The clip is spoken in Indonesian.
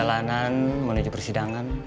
ke jalanan menuju persidangan